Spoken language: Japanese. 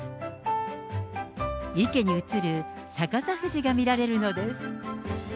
池に映る逆さ富士が見られるのです。